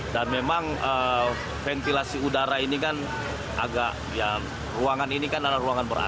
dan memang ventilasi udara ini kan agak yang ruangan ini kan adalah ruangan ber ac